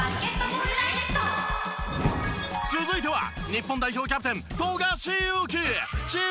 続いては日本代表キャプテン。